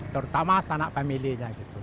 terutama sanak pemininya gitu